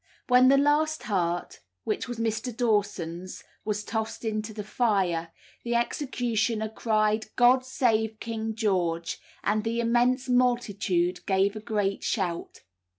When the last heart, which was Mr. Dawson's, was tossed into the fire, the executioner cried, "God save King George!" and the immense multitude gave a great shout.